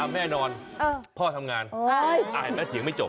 แม่นอนพ่อทำงานแม่เสียงไม่จบ